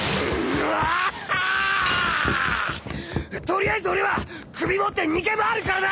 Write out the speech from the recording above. とりあえず俺は首持って逃げ回るからな！